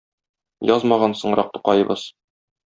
язмаган соңрак Тукаебыз.